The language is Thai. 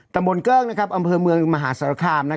ตะบลเกล้อกองบริเวณมืองมหาศาลคาม